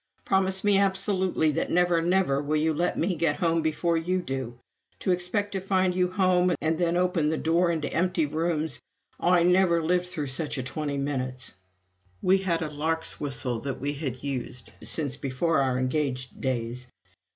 Promise me absolutely that never, never will you let me get home before you do. To expect to find you home and then open the door into empty rooms oh, I never lived through such a twenty minutes!" We had a lark's whistle that we had used since before our engaged days.